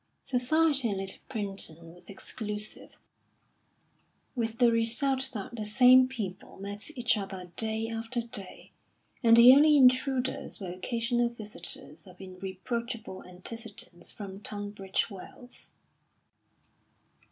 Society in Little Primpton was exclusive, with the result that the same people met each other day after day, and the only intruders were occasional visitors of irreproachable antecedents from Tunbridge Wells.